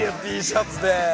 Ｔシャツで。